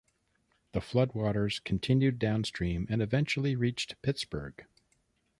The floodwaters continued downstream and eventually reached Pittsburgh.